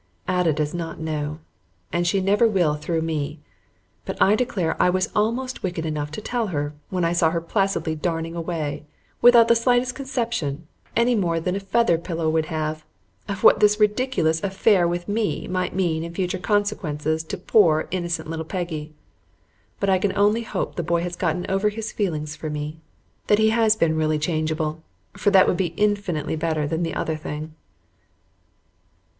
Ada does not know, and she never will through me, but I declare I was almost wicked enough to tell her when I saw her placidly darning away, without the slightest conception, any more than a feather pillow would have, of what this ridiculous affair with me might mean in future consequences to poor, innocent little Peggy. But I can only hope the boy has gotten over his feeling for me, that he has been really changeable, for that would be infinitely better than the other thing.